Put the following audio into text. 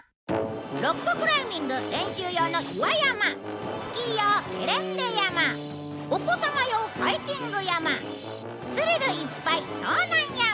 ロッククライミング練習用の岩山スキー用ゲレンデ山お子様用ハイキング山スリルいっぱい遭難山。